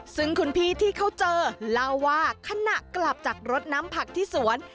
ซึ่งคุณพี่ที่เขาเจอเล่าว่าขณะกลับจากรถน้ำผักที่สวน